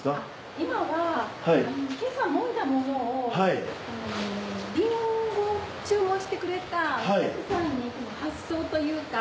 今は今朝もいだものをリンゴを注文してくれたお客さんに発送というか。